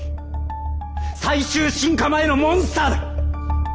最終進化前のモンスターだ！